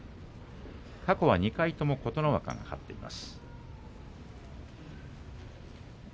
過去は２回とも琴ノ若が勝っています。